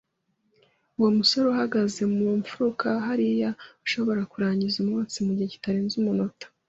Uwo musore uhagaze mu mfuruka hariya ashobora kurangiza umwotsi mu gihe kitarenze umunota